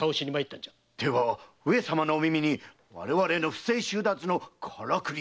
では上様のお耳に我々の不正収奪のカラクリが？